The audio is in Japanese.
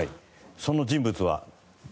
その人物は？